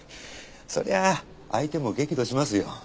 そりゃあ相手も激怒しますよ。